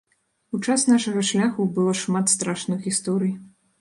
У час нашага шляху было шмат страшных гісторый.